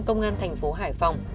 công an thành phố hải phòng